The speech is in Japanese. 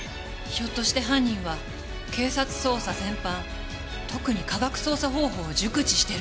ひょっとして犯人は警察捜査全般特に科学捜査方法を熟知してるって事ですか？